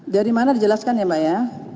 dari mana dijelaskan ya mbak ya